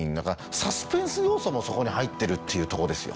サスペンス要素もそこに入ってるっていうとこですよ。